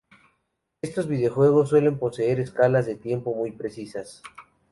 Estos videojuegos suelen poseer escalas de tiempo muy precisas.